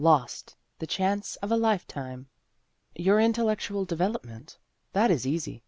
Lost : the chance of a lifetime !"" Your intellectual development ? That is easy.